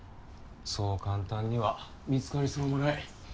そう簡単には見つかりそうもない。